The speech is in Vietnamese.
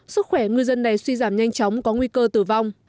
sức khỏe ngư dân này suy giảm nhanh chóng có nguy cơ tử vong